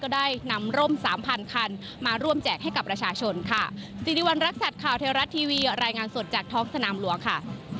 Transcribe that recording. ก็ได้นำร่ม๓๐๐๐คันมาร่วมแจกให้กับรัชชนค่ะ